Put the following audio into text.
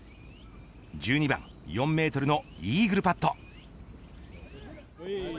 １２番４メートルのイーグルパット。